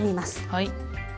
はい。